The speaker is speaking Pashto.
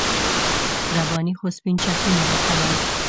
رباني خو سپین چکونه راکول.